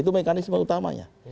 itu mekanisme utamanya